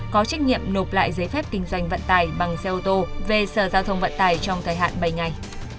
có trách nhiệm nộp lại giấy phép kinh doanh vận tải bằng xe ô tô về sở giao thông vận tải trong thời hạn bảy ngày